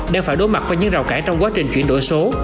đang phải đối mặt với những rào cản trong quá trình chuyển đổi số